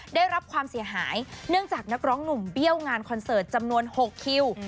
ได้รับความเสียหายเนื่องจากนักร้องหนุ่มเบี้ยวงานคอนเสิร์ตจำนวน๖คิว